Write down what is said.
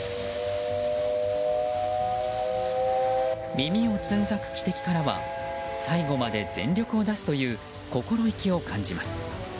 耳をつんざく汽笛からは最後まで全力を出すという心意気を感じます。